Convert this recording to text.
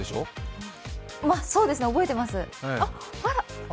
そうですね、覚えてます。